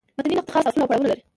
متني نقد خاص اصول او پړاوونه لري.